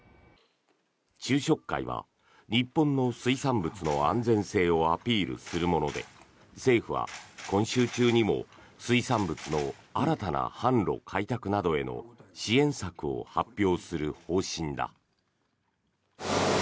昼食会は日本の水産物の安全性をアピールするもので政府は今週中にも水産物の新たな販路開拓などへの支援策を発表する方針だ。